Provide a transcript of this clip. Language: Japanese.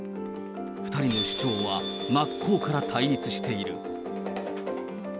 ２人の主張は真っ向から対立している。